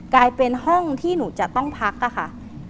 กลายเป็นห้องที่หนูจะต้องพักค่ะ